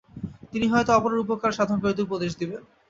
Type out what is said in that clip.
তিনি হয়তো অপরের উপকার সাধন করিতে উপদেশ দিবেন।